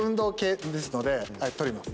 取ります。